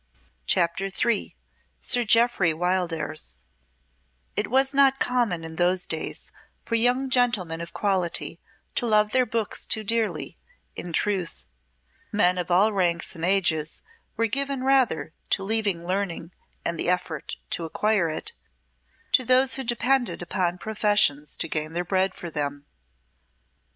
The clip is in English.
CHAPTER III Sir Jeoffry Wildairs It was not common in those days for young gentlemen of quality to love their books too dearly; in truth, men of all ranks and ages were given rather to leaving learning and the effort to acquire it to those who depended upon professions to gain their bread for them.